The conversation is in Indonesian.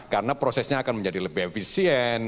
karena prosesnya akan menjadi lebih efisien